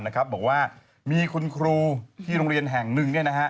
บอกว่ามีคุณครูที่โรงเรียนแห่งหนึ่ง